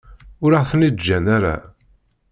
Ur aɣ-ten-id-ǧǧan ara.